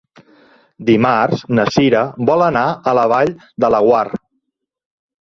Dimarts na Cira vol anar a la Vall de Laguar.